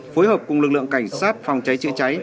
phối hợp cùng lực lượng cảnh sát phòng cháy chữa cháy